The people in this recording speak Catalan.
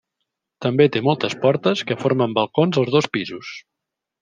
També té moltes portes que formen balcons als dos pisos.